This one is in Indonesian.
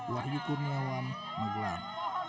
wahyu kurniawan magelang